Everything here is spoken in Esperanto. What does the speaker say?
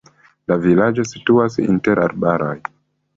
La vilaĝo situas inter arbaroj.